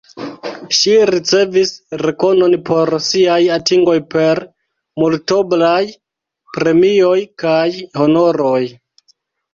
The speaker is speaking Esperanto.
Ŝi ricevis rekonon por siaj atingoj per multoblaj premioj kaj honoroj.